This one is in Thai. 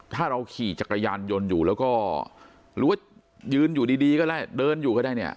ถ้าเราขี่จักรยานยนต์อยู่แล้วก็หรือว่ายืนอยู่ดีก็ได้เดินอยู่ก็ได้เนี่ย